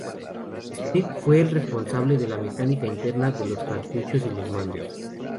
Smith fue el responsable de la mecánica interna de los cartuchos y los mandos.